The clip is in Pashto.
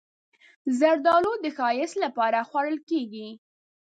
زردالو د ښایست لپاره خوړل کېږي.